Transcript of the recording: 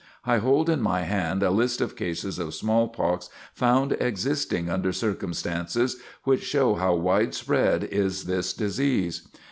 I hold in my hand a list of cases of smallpox found existing under circumstances which show how widespread is this disease.